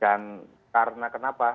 dan karena kenapa